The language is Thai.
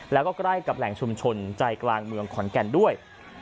แล้วก็ใกล้กับแหล่งชุมชนใจกลางเมืองขอนแก่นด้วย